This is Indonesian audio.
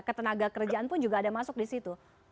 ketenaga kerjaan pun juga ada masuk di situ